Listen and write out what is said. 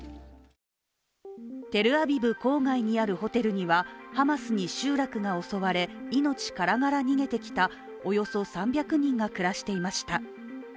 テルアビブ郊外にあるホテルにはハマスに集落が襲われ、命からがら逃げてきたおよそ３００人が暮らしていました。